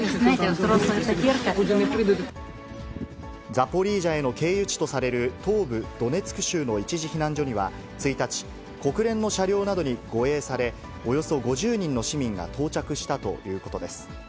ザポリージャへの経由地とされる東部ドネツク州の一時避難所には１日、国連の車両などに護衛され、およそ５０人の市民が到着したということです。